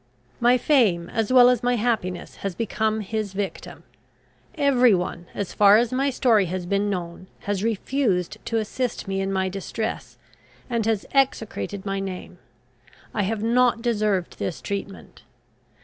My fame, as well as my happiness, has become his victim. Every one, as far as my story has been known, has refused to assist me in my distress, and has execrated my name. I have not deserved this treatment.